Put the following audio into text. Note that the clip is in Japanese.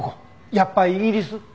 やっぱイギリス？